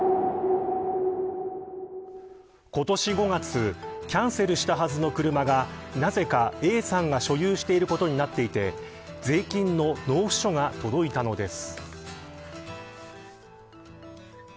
今年５月キャンセルしたはずの車がなぜかＡさんが所有していることになっていて税金の納付書が届いたのです。